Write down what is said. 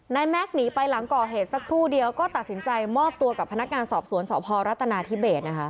แม็กซ์หนีไปหลังก่อเหตุสักครู่เดียวก็ตัดสินใจมอบตัวกับพนักงานสอบสวนสพรัฐนาธิเบสนะคะ